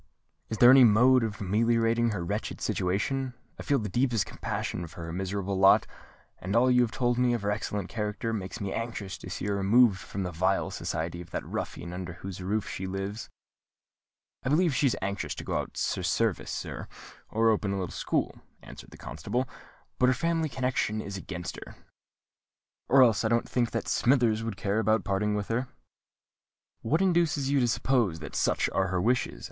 Is there any mode of ameliorating her wretched situation? I feel the deepest compassion for her miserable lot; and all you have told me of her excellent character makes me anxious to see her removed from the vile society of that ruffian under whose roof she lives." "I believe she is anxious to go out to service, sir, or open a little school," answered the constable; "but her family connection is against her. Or else I don't think that Smithers would care about parting with her." "What induces you to suppose that such are her wishes?"